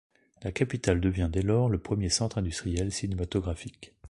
La capitale devient dès lors le premier centre industriel cinématographique.